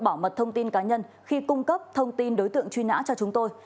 bảo mật thông tin cá nhân khi cung cấp thông tin đối tượng truy nã cho chúng tôi